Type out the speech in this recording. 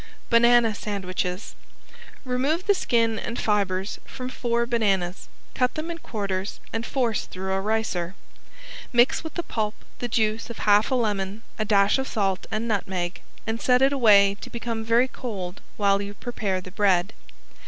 ~BANANA SANDWICHES~ Remove the skin and fibers from four bananas, cut them in quarters and force through a ricer. Mix with the pulp the juice of half a lemon, a dash of salt and nutmeg and set it away to become very cold while you prepare the bread.